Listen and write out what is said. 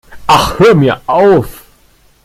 Ach, hör mir auf!